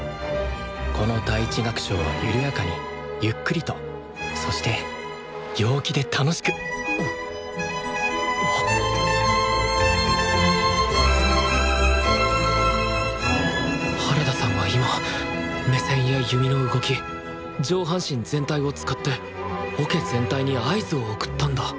この第１楽章はゆるやかにゆっくりとそして陽気で楽しく原田さんは今目線や弓の動き上半身全体を使ってオケ全体に合図を送ったんだ